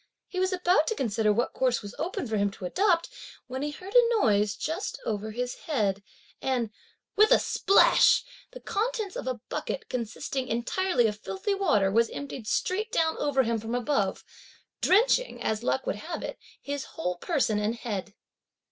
He was about to consider what course was open for him to adopt, when he heard a noise just over his head; and, with a splash, the contents of a bucket, consisting entirely of filthy water, was emptied straight down over him from above, drenching, as luck would have it, his whole person and head.